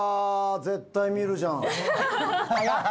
絶対見るじゃん早っ